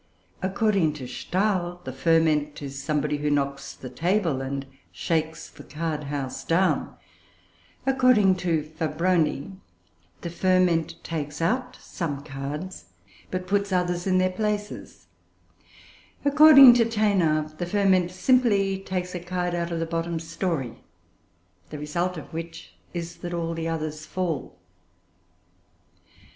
According to Stahl, the ferment is somebody who knocks the table, and shakes the card house down; according to Fabroni, the ferment takes out some cards, but puts others in their places; according to Thénard, the ferment simply takes a card out of the bottom story, the result of which is that all the others fall.